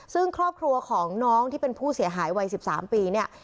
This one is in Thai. ซึ่งครอบครัวของน้องที่เป็นผู้เสียหายวัย๑๓ปีเนี่ย